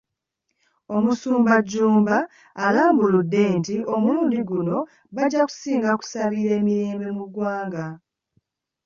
Omusumba Jjumba alambuludde nti omulundi guno bajja kusinga okusabira emirembe mu ggwanga.